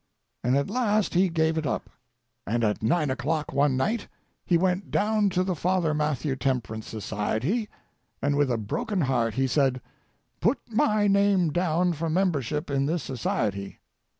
And at last he gave it up, and at nine o'clock one night he went down to the Father Mathew Temperance Society, and with a broken heart he said: 'Put my name down for membership in this society.'